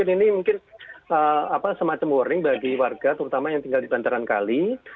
ini mungkin semacam warning bagi warga terutama yang tinggal di bantaran kali